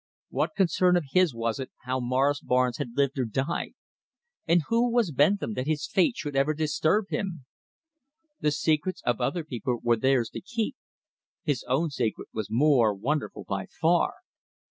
What concern of his was it how Morris Barnes had lived or died? And who was Bentham that his fate should ever disturb him? The secrets of other people were theirs to keep. His own secret was more wonderful by far.